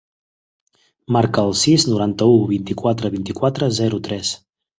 Marca el sis, noranta-u, vint-i-quatre, vint-i-quatre, zero, tres.